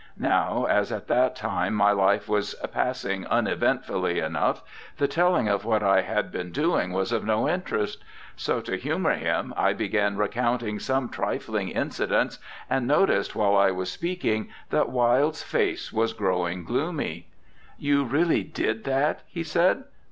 Now, as at that time my life was passing uneventfully enough, the telling of what I had been doing was of no interest. So, to humour him, I began recounting some trifling incidents, and noticed while I was speaking that Wilde's face was growing gloomy. 'You really did that?' he said.